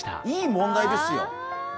いい問題ですよ。